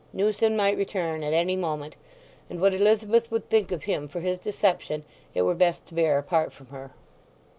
Newson might return at any moment, and what Elizabeth would think of him for his deception it were best to bear apart from her.